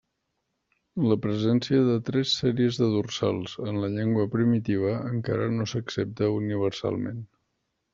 La presència de tres sèries de dorsals en la llengua primitiva encara no s'accepta universalment.